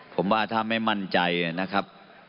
ผมว่าถ้าไม่มั่นใจนะครับ